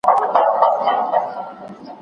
ماشوم تر اوسه خپله ژبه نه ده هېره کړې.